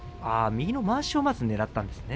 右のまわしをまずねらったんですね。